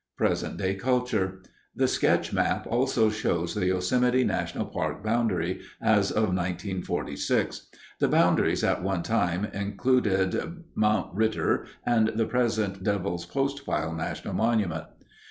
PRESENT DAY CULTURE The sketch map also shows the Yosemite National Park Boundary as of 1946. The boundaries at one time included Mount Ritter and the present Devils Postpile National Monument.